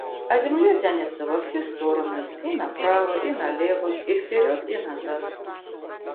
А земля тянется во все стороны, и направо, и налево, и вперед и назад.